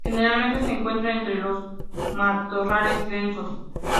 Generalmente se encuentra entre los matorrales densos.